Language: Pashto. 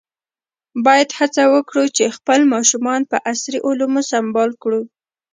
باید هڅه وکړو چې خپل ماشومان په عصري علومو سمبال کړو.